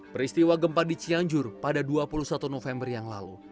peristiwa gempa di cianjur pada dua puluh satu november yang lalu